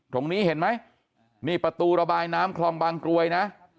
ตรงนี้เห็นไหมนี่ประตูระบายน้ำคลองบางกรวยนะ